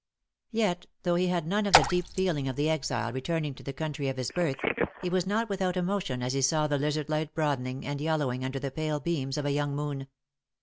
Yet, though he had none of the deep feeling of the exile returning to the country of his birth, he was not without emotion as he saw the Lizard light broadening and yellowing under the pale beams of a young moon.